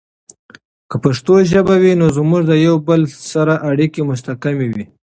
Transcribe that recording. که پښتو ژبه وي، نو زموږ د یوه بل سره اړیکې مستحکم وي.